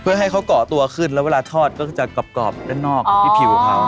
เพื่อให้เขาเกาะตัวขึ้นแล้วเวลาทอดก็จะกรอบด้านนอกที่ผิวเขา